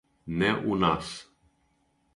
Не у нас.